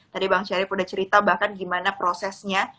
tadi bang syarif udah cerita bahkan gimana prosesnya